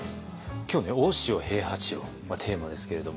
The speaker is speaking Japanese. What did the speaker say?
今日ね「大塩平八郎」テーマですけれども。